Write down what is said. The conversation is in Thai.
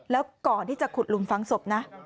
แล้วก่อนที่จะขุดลุมฝังศพนะ